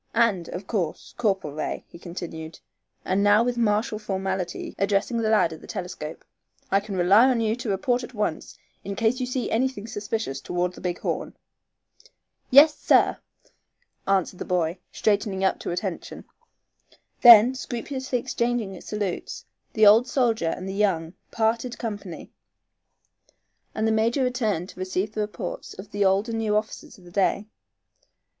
And, of course, Corporal Ray," he continued, and now with martial formality addressing the lad at the telescope, "I can rely upon you to report at once in case you see anything suspicious toward the Big Horn." "Yes, sir," answered the boy, straightening up to attention. Then, scrupulously exchanging salutes, the old soldier and the young parted company, and the major returned to receive the reports of the old and new officers of the day.